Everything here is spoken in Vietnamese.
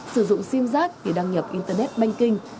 sử dụng sim giác để đăng nhập internet banh kinh